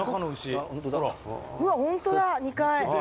うわホントだ２階。